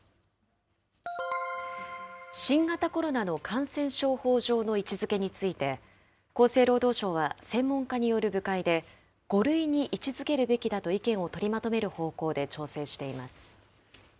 新型コロナの感染症法上の位置づけについて、厚生労働省は専門家による部会で、５類に位置づけるべきだと意見を取りまとめる方向で調整しています。